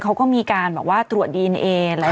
เค้าก็มีการบอกว่าตรวจดีเอเนย